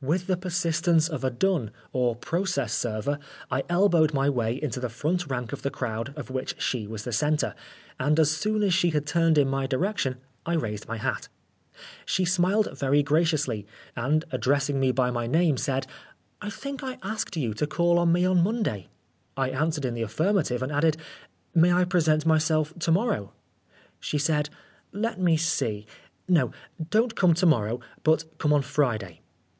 With the persistence of a dun, or process server, I elbowed my way into" the front rank of the crowd of which she was the centre, and as soon as she had turned in my direction I raised my hat. She smiled very graciously, and addressing me by my name said, " I think I asked you to call on me on Monday." 141 Oscar Wilde I answered in the affirmative, and added, 14 May I present myself to morrow ?" She said, " Let me see ? No, don't come to morrow, but come on Friday."